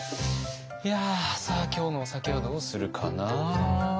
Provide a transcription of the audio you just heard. さあ今日のお酒はどうするかな。